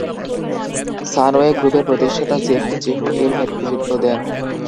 সানওয়ে গ্রুপের প্রতিষ্ঠাতা Jeffrey Cheah এর নেতৃত্ব দেন।